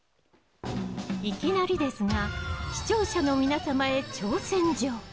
いきなりですが視聴者の皆様へ挑戦状。